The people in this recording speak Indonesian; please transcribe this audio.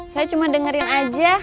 saya cuma dengerin aja